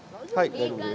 大丈夫です。